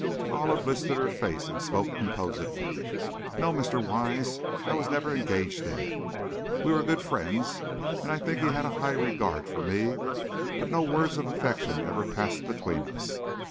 Olive lifted her face, and spoke composedly: "No, Mr. Wise, I was never engaged to him. We were good friends, and I think he had a high regard for me, but no words of affection ever passed between us.